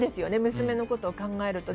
娘のことを考えると。